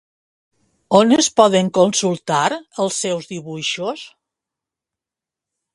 On es poden consultar els seus dibuixos?